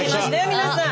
皆さん。